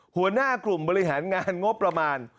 หัวหน้ากลุ่มบริหารงานงบประมาณ